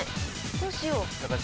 どうしよう？